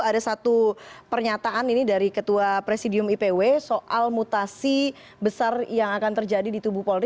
ada satu pernyataan ini dari ketua presidium ipw soal mutasi besar yang akan terjadi di tubuh polri